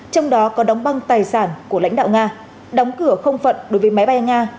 trong đó có đóng băng tài sản của lãnh đạo nga đóng cửa không phận đối với máy bay nga